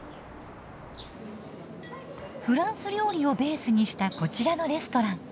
フランス料理をベースにしたこちらのレストラン。